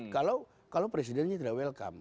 kalau presidennya tidak welcome